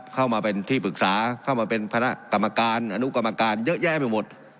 เข้ามาเป็นที่ปรึกษาเข้ามาเป็นคณะกรรมการอนุกรรมการเยอะแยะไปหมด